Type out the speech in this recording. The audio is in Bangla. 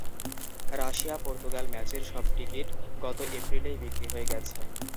রাশিয়া পর্তুগাল ম্যাচের সব টিকিট গত এপ্রিলেই বিক্রি হয়ে গেছে।